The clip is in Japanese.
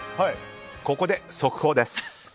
ここで速報です。